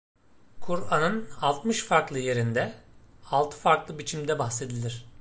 Kur’an’ın altmış farklı yerinde, altı farklı biçimde bahsedilir.